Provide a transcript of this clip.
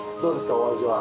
お味は。